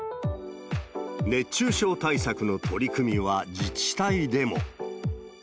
熱中症対策の取り組みは自治体でも。